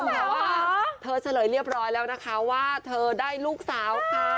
เพราะว่าเธอเฉลยเรียบร้อยแล้วนะคะว่าเธอได้ลูกสาวค่ะ